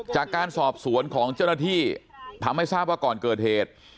จากการสอบสวนของเจ้าหน้าที่ทำให้ทราบว่าก่อนเกิดเหตุ